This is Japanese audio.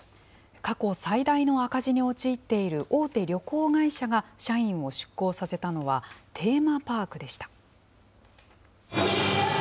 過去最大の赤字に陥っている大手旅行会社が社員を出向させたのは、テーマパークでした。